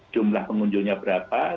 jumlah pengunjungnya berapa